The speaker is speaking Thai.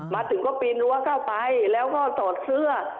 มาถึงก็ปีนรั้วเข้าไปแล้วก็ถอดเสื้อ